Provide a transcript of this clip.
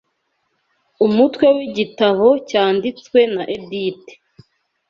Umutwe w'iki gitabo cyanditswe na Edite